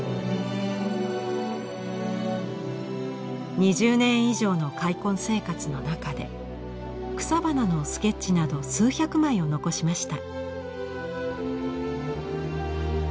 ２０年以上の開墾生活の中で草花のスケッチなど数百枚を残しました。